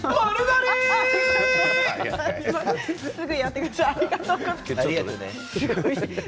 すぐにやっていただいてありがとうございます。